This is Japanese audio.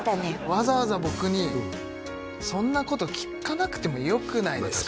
わざわざ僕にそんなこと聞かなくてもよくないですか？